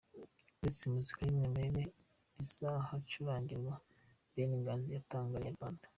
Uretse muzika y’umwimerere izahacurangirwa, Ben Nganji yatangarie inyarwanda.